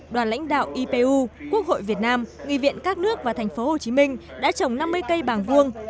đoàn lãnh đạo ipu quốc hội việt nam nghị viện các nước và thành phố hồ chí minh đã trồng năm mươi cây bàng vuông